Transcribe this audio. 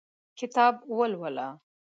کتاب ولوله !